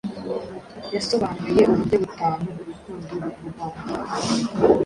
yasobanuye uburyo butanu urukundo ruvugwamo